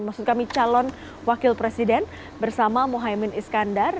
maksud kami calon wakil presiden bersama mohaimin iskandar